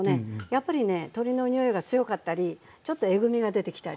やっぱりね鶏のにおいが強かったりちょっとえぐみが出てきたり。